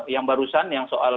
yang barusan yang soal